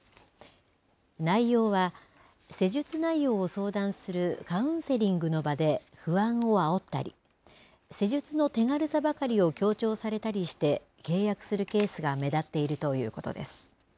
内容は、施術内容を相談するカウンセリングの場で不安をあおったり、施術の手軽さばかりを強調されたりして契約するケースが目立っているということです。